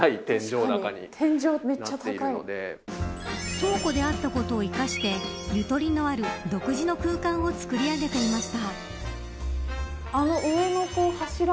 倉庫であったことを生かしてゆとりのある独自の空間を作り上げていました。